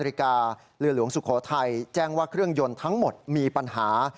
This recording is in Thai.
นาฬิกาเรือหลวงสุโขทัยแจ้งว่าเครื่องยนต์ทั้งหมดมีปัญหา